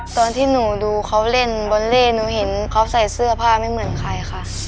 ตอนที่หนูดูเขาเล่นบอลเล่หนูเห็นเขาใส่เสื้อผ้าไม่เหมือนใครค่ะ